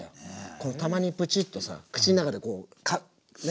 このたまにプチッとさ口の中でこうね